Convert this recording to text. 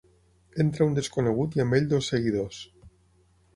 Entra un Desconegut i amb ell dos seguidors.